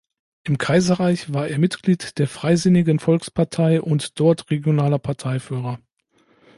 Im Kaiserreich war er Mitglied der Freisinnigen Volkspartei und dort regionaler Parteiführer.